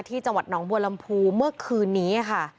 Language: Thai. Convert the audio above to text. ที่จังหวัดหนองบัวลำพูเมื่อคืนนี้ค่ะ